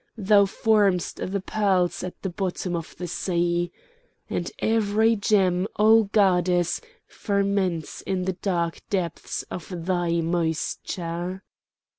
Thou formest the pearls at the bottom of the sea! "And every germ, O goddess! ferments in the dark depths of thy moisture.